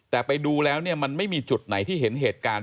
แต่ไปดูแล้วเนี่ยมันไม่มีจุดไหนที่เห็นเหตุการณ์